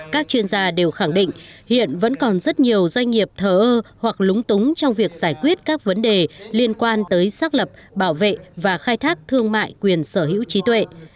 các chuyên gia đều khẳng định hiện vẫn còn rất nhiều doanh nghiệp thờ ơ hoặc lúng túng trong việc giải quyết các vấn đề liên quan tới xác lập bảo vệ và khai thác thương mại quyền sở hữu trí tuệ